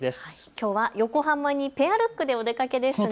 きょうは横浜にペアルックでお出かけですね。